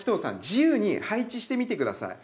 自由に配置してみて下さい。